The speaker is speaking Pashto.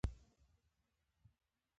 هغه د خلکو لپاره د الهام سرچینه وه.